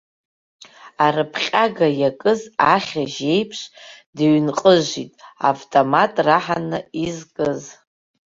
Арыԥҟьага иакыз ахьыжь аиԥш дыҩнҟыжит, завтомат раҳаны изкыз.